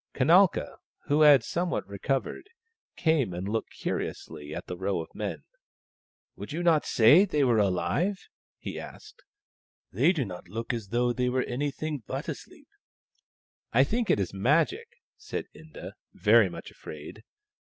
Kanalka, who had somewhat recovered, came and looked curiously at the row of men. " Would you not say that they were alive ?" he asked. " They do not look as though they were anything but asleep." " I think it is Magic," said Inda, very much afraid.